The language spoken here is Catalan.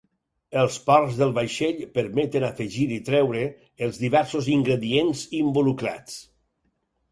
Els ports del vaixell permeten afegir i treure els diversos ingredients involucrats.